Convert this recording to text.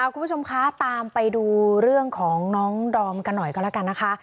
คุณผู้ชมคะตามไปดูเรื่องของน้องดอมกันหน่อยก็แล้วกันนะคะ